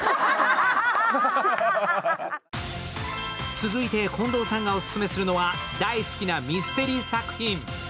続いて近藤さんがオススメするのは大好きなミステリー作品。